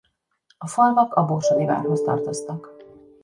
A falvak a borsodi várhoz tartoztak.